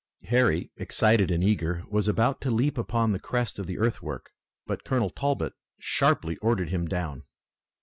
Harry, excited and eager, was about to leap upon the crest of the earthwork, but Colonel Talbot sharply ordered him down.